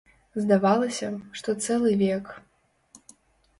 Здавалася, што цэлы век.